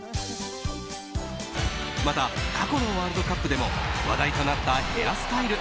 また、過去のワールドカップでも話題となったヘアスタイル